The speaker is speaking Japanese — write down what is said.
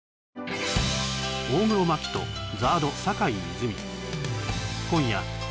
大黒摩季とＺＡＲＤ坂井泉水